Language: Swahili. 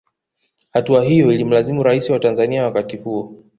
Hatua hiyo ilimlazimu rais wa Tanzanzia wakati huo